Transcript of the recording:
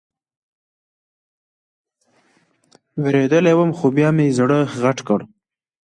وېرېدلى وم خو بيا مې زړه غټ کړ.